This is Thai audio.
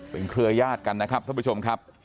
เป็นเครือยาศกันนะครับท่านผู้ชมครับ